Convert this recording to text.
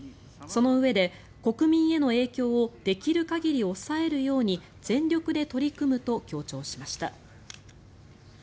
そのうえで、国民への影響をできる限り抑えるように全力で取り組むと強調しました。